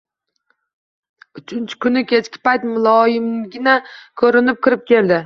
Uchinchi kuni kechki payt muloyimgina ko`rinib kirib keldi